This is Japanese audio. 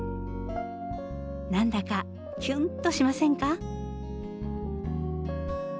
何だかキュンとしませんか？